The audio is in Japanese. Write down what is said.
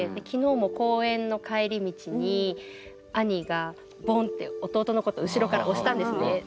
昨日も公園の帰り道に兄がボン！って弟のこと後ろから押したんですね。